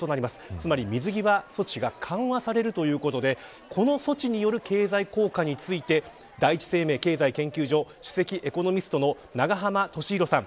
つまり水際措置が緩和されるということでこの措置による経済効果について第一生命経済研究所首席エコノミストの永濱利廣さん。